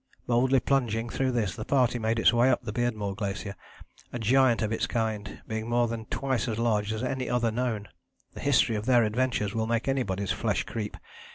Boldly plunging through this, the party made its way up the Beardmore Glacier, a giant of its kind, being more than twice as large as any other known. The history of their adventures will make anybody's flesh creep.